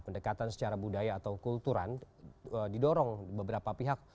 pendekatan secara budaya atau kulturan didorong beberapa pihak